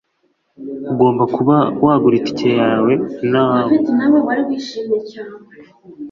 Ugomba kuba wagura itike ya , nawe.